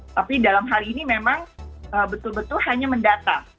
tapi dalam hal ini memang betul betul hanya mendata